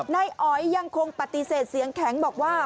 นายอ๋อยยังคงปฏิเสธเสียงแข็งบอกว่า